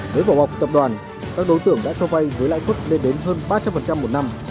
nếu vào bọc tập đoàn các đối tượng đã cho vay với lãi thuất lên đến hơn ba trăm linh một năm